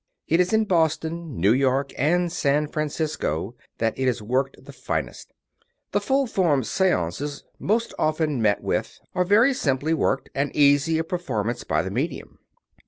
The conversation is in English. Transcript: It is in Boston, New York, and San Francisco that it is worked the finest. The full form seances most often met with are very simply worked, and easy of performance by the medium.